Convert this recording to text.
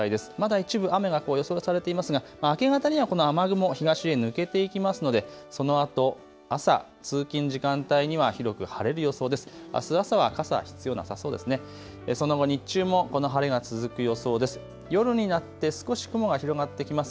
一部雨が予想されていますが明け方にはこの雨雲、東へ抜けていきますので、そのあと朝、通勤時間帯には広く晴れる予想です。